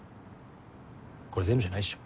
これ全部じゃないっしょ？